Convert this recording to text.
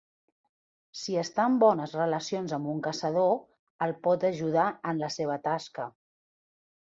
Si està en bones relacions amb un caçador, el pot ajudar en la seva tasca.